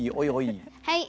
はい。